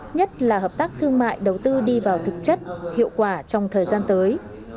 nhất là hợp tác thương mại đầu tư đi vào thực chất hiệu quả trong thời gian tới